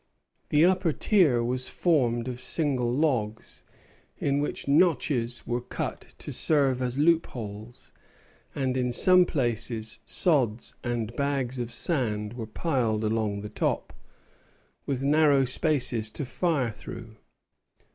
The upper tier was formed of single logs, in which notches were cut to serve as loopholes; and in some places sods and bags of sand were piled along the top, with narrow spaces to fire through.